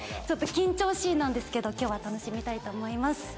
ちょっと緊張しいなんですけど今日は楽しみたいと思います。